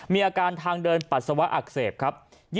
มีอาการทางเดินปัสสาวะอักเสบครับ